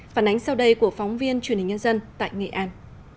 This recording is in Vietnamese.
phản ánh sau đây của phóng viên truyền hình nhân dân tại nghệ an